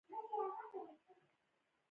کویلیو د کورنۍ له فشارونو سره مخ شو.